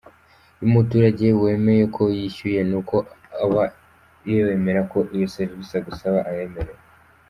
Iyo umuturage wemeye ko yishyuye, ni uko uba wemera ko iyo serivisi agusaba ayemerewe.